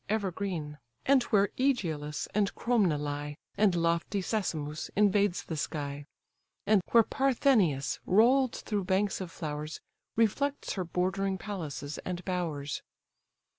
ever green, And where Ægialus and Cromna lie, And lofty Sesamus invades the sky, And where Parthenius, roll'd through banks of flowers, Reflects her bordering palaces and bowers.